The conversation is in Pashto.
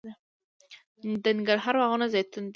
د ننګرهار باغونه زیتون دي